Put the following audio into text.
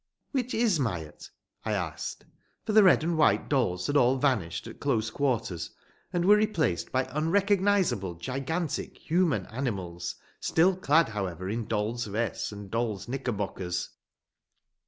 "Which is Myatt?" I asked, for the red and the white dolls had all vanished at close quarters, and were replaced by unrecognizably gigantic human animals, still clad, however, in dolls' vests and dolls' knickerbockers.